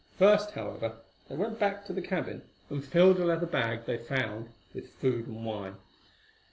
First, however, they went back to the cabin and filled a leather bag they found with food and wine.